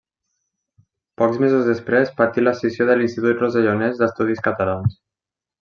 Pocs mesos després patí l'escissió de l'Institut Rossellonès d'Estudis Catalans.